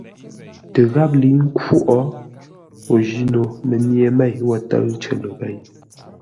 Tə gháp lə̌i khwóʼ, o ji no mənye mêi wo tə́ʉ cər ləghěi.